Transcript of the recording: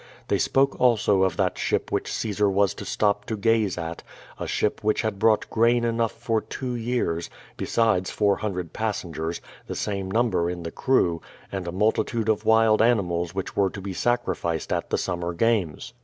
They spoke also of that ship which Caesar was to stop to gazo at, a ship which had brought grain enough for two years, be sides four hundred passengers, the same number in the crew, and a multitude of wild animals which were to be sacrificed at the summer games.